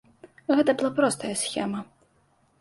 Гэта была простая схема.